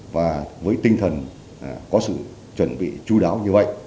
và với tinh thần có sự chuẩn bị chú đáo như vậy